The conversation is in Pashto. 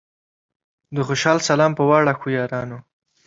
د خوشال سلام پۀ واړه ښو یارانو